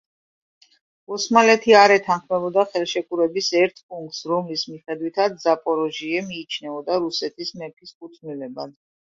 ოსმალეთი არ ეთანხმებოდა ხელშეკრულების ერთ პუნქტს, რომლის მიხედვითაც ზაპოროჟიე მიიჩნეოდა რუსეთის მეფის კუთვნილებად.